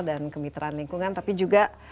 dan kemiteran lingkungan tapi juga